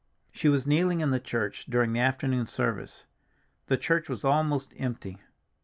She was kneeling in the church during the afternoon service; the church was almost empty.